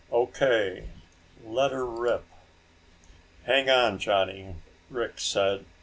"O.K." "Let her rip!" "Hang on, Johnny," Rick said.